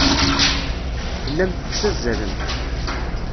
Tellamt tettazzalemt.